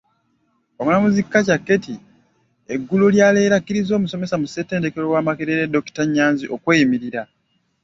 Omulamuzi Acaa Ketty eggulo lyaleero akkirizza omusomesa mu ssettendekero wa Makerere dokita Nnyanzi okweyimirirwa.